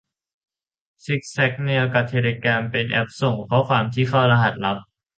ซิกแนลกับเทเลแกรมเป็นแอปส่งความที่เข้ารหัสลับ